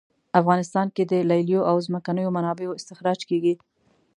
افغانستان کې د لیلیو او ځمکنیو منابعو استخراج کیږي